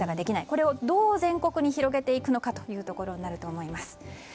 これをどう全国に広げていくかということになると思います。